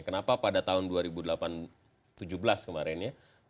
kenapa pada tahun dua ribu tujuh belas kemarin ya